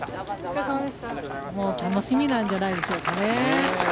もう楽しみなんじゃないでしょうか。